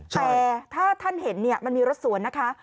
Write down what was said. แต่ถ้าท่านเห็นมันมีรถสวนนะคะ